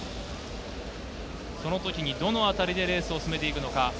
そのときにどのあたりでレースを進めていくのか。